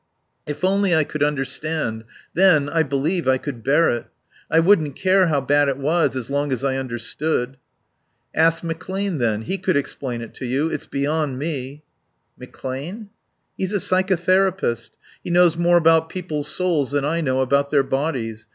"If only I could understand. Then, I believe, I could bear it. I wouldn't care how bad it was as long as I understood." "Ask McClane, then. He could explain it to you. It's beyond me." "McClane?" "He's a psychotherapist. He knows more about people's souls than I know about their bodies.